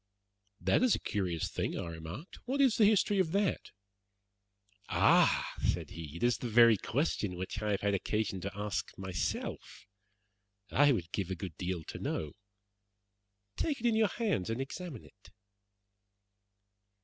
"That is a curious thing," I remarked. "What is the history of that?" "Ah!" said he, "it is the very question which I have had occasion to ask myself. I would give a good deal to know. Take it in your hands and examine it."